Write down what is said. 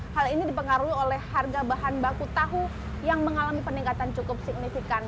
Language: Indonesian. hal ini dipengaruhi oleh harga bahan baku tahu yang mengalami peningkatan cukup signifikan